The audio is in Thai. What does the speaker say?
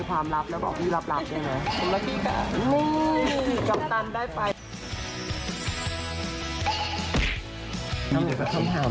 ความลับเนี่ยไม่เป็นความลับ